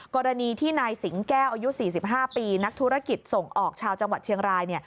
กรณีที่นายสิงแก้วอายุ๔๕ปีนักธุรกิจส่งออกชาวจังหวัดเชียงราย